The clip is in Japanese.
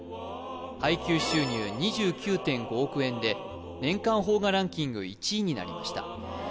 配給収入２９．５億円で年間邦画ランキング１位になりました